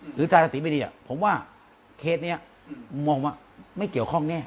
จันสติไม่ดีผมว่าเคสนี้มองว่าไม่เกี่ยวข้องแน่